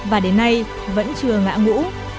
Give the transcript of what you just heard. và đến nay vẫn chưa ngã ngũ